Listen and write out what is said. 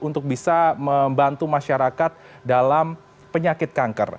untuk bisa membantu masyarakat dalam penyakit kanker